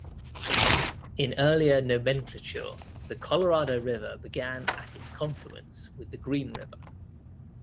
In earlier nomenclature, the Colorado River began at its confluence with the Green River.